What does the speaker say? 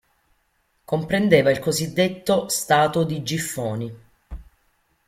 Comprendeva il cosiddetto "Stato di Giffoni".